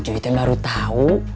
coy teh baru tahu